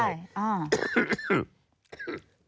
ไม่ใช่ไม่ใช่